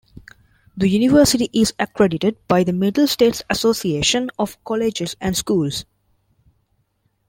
The University is accredited by the Middle States Association of Colleges and Schools.